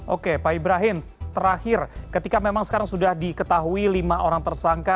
oke pak ibrahim terakhir ketika memang sekarang sudah diketahui lima orang tersangka